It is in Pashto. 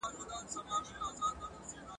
ستونی د شپېلۍ به نغمه نه لري !.